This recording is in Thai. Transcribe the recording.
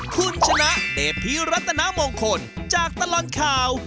คุณชนะเดพิรัตนมงคลจากตลอดข่าว